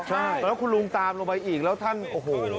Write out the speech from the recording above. ใช่ตอนนั้นคุณลุงตามลงไปอีกแล้วท่านโอ้โห